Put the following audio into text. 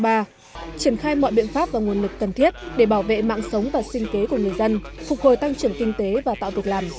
triển khai mọi biện pháp và nguồn lực cần thiết để bảo vệ mạng sống và sinh kế của người dân phục hồi tăng trưởng kinh tế và tạo tục làm